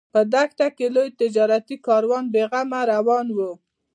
په دښته کې لوی تجارتي کاروان بې غمه روان و.